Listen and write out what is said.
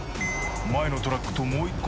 前のトラックともう一個